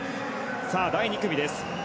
さあ、第２組です。